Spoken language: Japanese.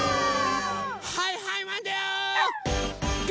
はいはいマンだよ！